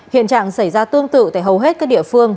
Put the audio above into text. hiện trạng xảy ra tương tự tại hầu hết các địa phương